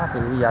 thì bây giờ